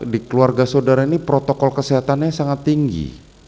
di keluarga saudara ini protokol kesehatannya sangat tinggi